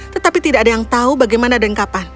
tetapi tidak ada yang tahu bagaimana dan kapan